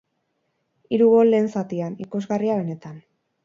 Hiru gol lehen zatian, ikusgarria benetan.